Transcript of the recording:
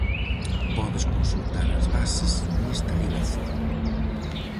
Podes consultar as bases nesta ligazón.